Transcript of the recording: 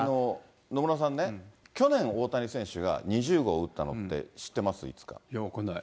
野村さんね、去年、大谷選手が２０号打ったのって、知ってまいや、分かんない。